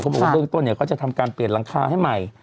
เขาบอกว่าเริ่มต้นเขาจะทำการเปลี่ยนรังคาให้ใหม่